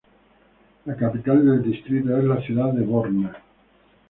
La capital del distrito es la ciudad de Borna.